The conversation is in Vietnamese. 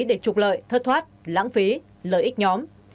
để trục lợi thất thoát lãng phí lợi ích nhóm